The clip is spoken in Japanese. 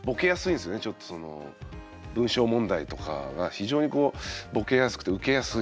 ちょっとその文章問題とかが非常にこうボケやすくてウケやすい。